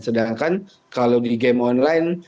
sedangkan kalau di game online